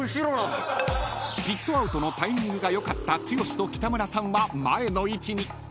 ［ピットアウトのタイミングが良かった剛と北村さんは前の位置に］